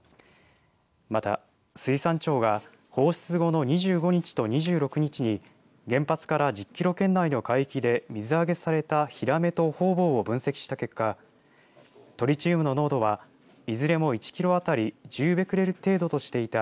また水産庁が放出後の２５日と２６日に原発から１０キロ圏内の海域で水揚げされたヒラメとホウボウを分析した結果トリチウムの濃度はいずれも１キロ当たり１０ベクレル程度としていた